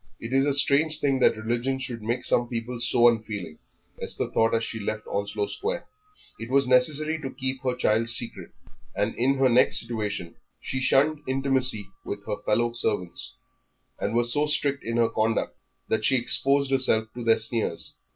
"It is a strange thing that religion should make some people so unfeeling," Esther thought as she left Onslow Square. It was necessary to keep her child secret, and in her next situation she shunned intimacy with her fellow servants, and was so strict in her conduct that she exposed herself to their sneers.